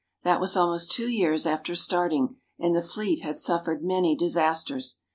That was almost two years after starting, and the fleet had suffered many disasters.